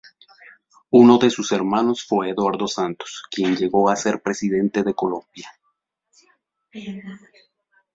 Uno de sus hermanos fue Eduardo Santos, quien llegó a ser Presidente de Colombia.